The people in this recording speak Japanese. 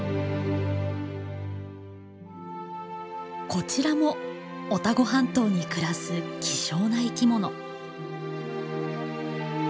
こちらもオタゴ半島に暮らす希少な生きもの。